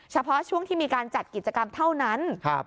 เฉพาะช่วงที่มีการจัดกิจกรรมเท่านั้น